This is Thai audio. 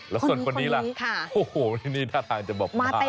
แล้วส่วนคนนี้ล่ะโอ้โหนี่ท่าทางจะแบบ